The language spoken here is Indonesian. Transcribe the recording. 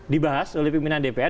dibahas oleh pimpinan dpr